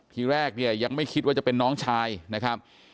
ทีแรกเนี่ยยังไม่คิดว่าจะเป็นน้องชายนะครับ